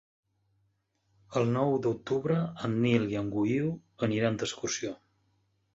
El nou d'octubre en Nil i en Guiu aniran d'excursió.